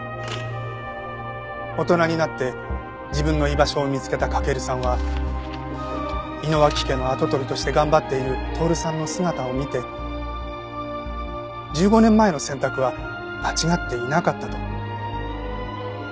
大人になって自分の居場所を見つけた駆さんは井野脇家の跡取りとして頑張っている透さんの姿を見て１５年前の選択は間違っていなかったと。